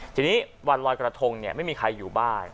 ทีนี้วันลอยกระทงไม่มีใครอยู่บ้าน